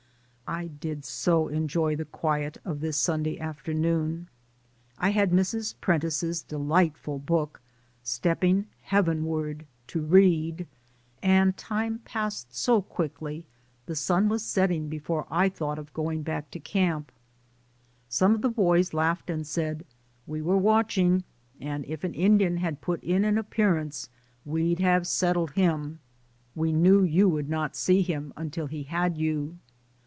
I did so enjoy the quiet of this Sunday afternoon ; I had Mrs. Prentiss's de lightful book, "Stepping Heavenward," to read, and time passed so quickly the sun was setting before I thought of going back to camp. Some of the boys laughed and said, "We were watching, and if an Indian had put in an appearance we'd have settled him ; we knew you would not see him until he had 'you."